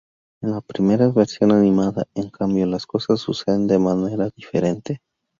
En la primera versión animada, en cambio, las cosas suceden de manera diferente.